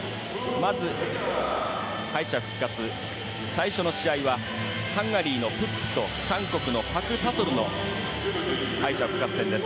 まず、敗者復活最初の試合はハンガリーの選手と韓国のパク・ダソルの敗者復活戦です。